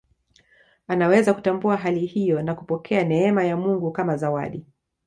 Anaweza kutambua hali hiyo na kupokea neema ya Mungu kama zawadi